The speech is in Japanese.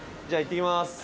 じゃあいってきます。